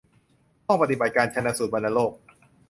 ห้องปฏิบัติการชันสูตรวัณโรค